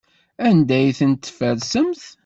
Anda ay tent-tfersemt?